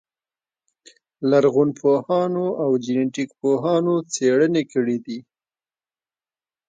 لرغونپوهانو او جنټیک پوهانو څېړنې کړې دي.